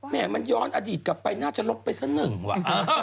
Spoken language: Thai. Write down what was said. แม่มันย้อนอดีตกลับไปน่าจะลบไปสักหนึ่งว่ะ